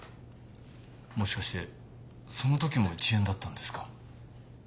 もしかしてその時も１円だったんですか？